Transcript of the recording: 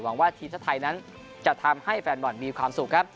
หวังว่าทีมชาติไทยนั้นจะทำให้แฟนบอลมีความสุขครับ